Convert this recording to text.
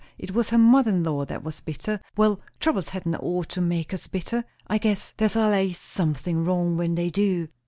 It was her mother in law that was bitter. Well troubles hadn't ought to make us bitter. I guess there's allays somethin' wrong when they do."